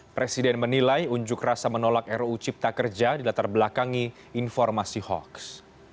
presiden menilai unjuk rasa menolak ruu cipta kerja di latar belakangi informasi hoax